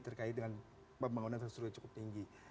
terkait dengan pembangunan tersebut cukup tinggi